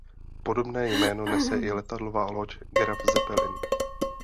Podobné jméno nese i letadlová loď Graf Zeppelin.